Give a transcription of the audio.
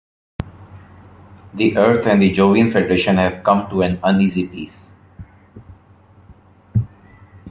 The Earth and the Jovian Federation have come to an uneasy peace.